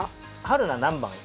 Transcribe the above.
春菜何番？